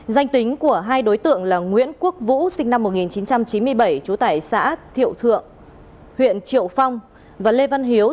danh tính của hai đối tượng là nguyễn quốc vũ sinh năm một nghìn chín trăm chín mươi bảy trú tải xã thiệu thượng huyện triệu phong và lê văn hiếu